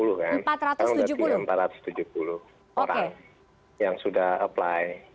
empat ratus tujuh puluh orang yang sudah apply